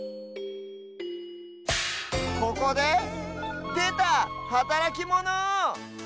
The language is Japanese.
ここででたはたらきモノ！